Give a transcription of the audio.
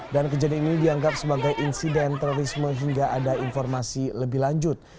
dan kejadian ini dianggap sebagai insiden terorisme hingga ada informasi lebih lanjut